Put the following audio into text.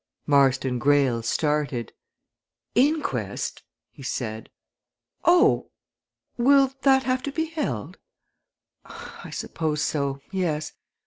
Marston Greyle started. "Inquest!" he said. "Oh! will that have to be held? I suppose so yes.